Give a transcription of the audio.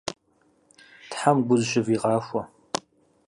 Тхьэм гу зэщывигъахуэ.